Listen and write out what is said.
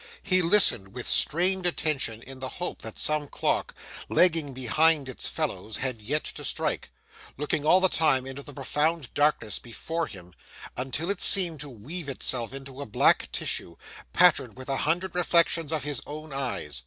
He listened with strained attention in the hope that some clock, lagging behind its fellows, had yet to strike,—looking all the time into the profound darkness before him, until it seemed to weave itself into a black tissue, patterned with a hundred reflections of his own eyes.